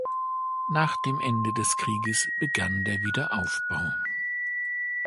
Nach dem Ende des Krieges begann der Wiederaufbau.